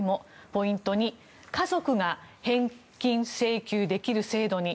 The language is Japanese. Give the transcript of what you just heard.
ポイント２、家族が返金請求できる制度に。